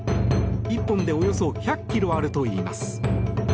１本でおよそ１００ｋｇあるといいます。